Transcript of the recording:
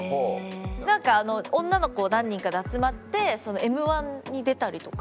なんか女の子何人かで集まってＭ−１に出たりとか。